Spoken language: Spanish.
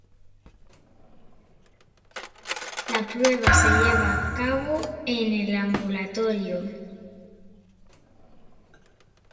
La prueba se lleva a cabo en el ambulatorio.